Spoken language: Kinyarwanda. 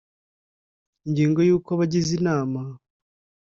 Ingingo ya uko abagize inama